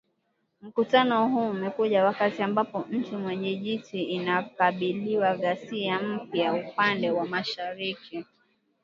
Mkutano huu umekuja wakati ambapo nchi mwenyejiti inakabiliwa ghasia mpya upande wa Mashariki